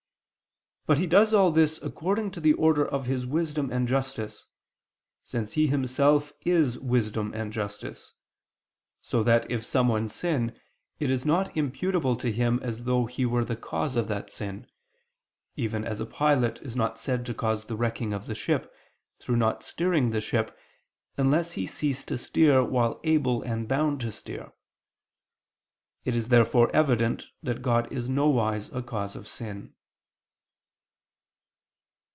But He does all this according to the order of His wisdom and justice, since He Himself is Wisdom and Justice: so that if someone sin it is not imputable to Him as though He were the cause of that sin; even as a pilot is not said to cause the wrecking of the ship, through not steering the ship, unless he cease to steer while able and bound to steer. It is therefore evident that God is nowise a cause of sin.